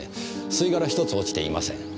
吸い殻ひとつ落ちていません。